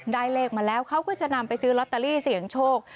ได้เลขมาแล้วเขาก็จะนำไปซื้อลอตเตอรี่เสียงโชค